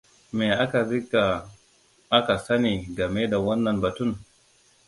Me aka riga aka sani game da wannan batun?